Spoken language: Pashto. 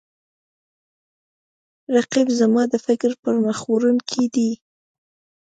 رقیب زما د فکر پرمخ وړونکی دی